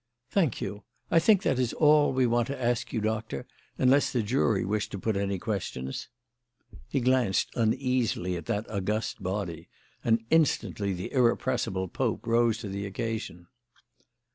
"Thank you. I think that is all we want to ask you, Doctor; unless the jury wish to put any questions." He glanced uneasily at that august body, and instantly the irrepressible Pope rose to the occasion.